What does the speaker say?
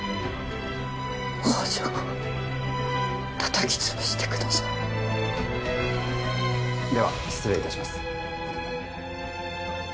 宝条を叩きつぶしてくださいでは失礼いたします